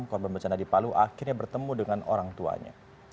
korban bencana di palu akhirnya bertemu dengan orang tuanya